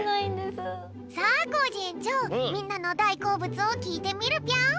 さあコージえんちょうみんなのだいこうぶつをきいてみるぴょん！